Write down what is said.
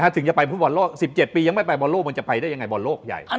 ถึงจะไปฟุตบอลโลก๑๗ปียังไม่ไปบอลโลกมันจะไปได้ยังไงบอลโลกใหญ่